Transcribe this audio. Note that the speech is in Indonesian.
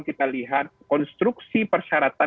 kita lihat konstruksi persyaratan